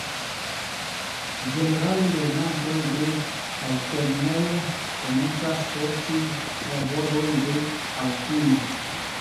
Ĝenerale lernantoj de altlernejo komencas serĉi laboron de aŭtuno.